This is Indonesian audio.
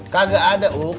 kagak ada huk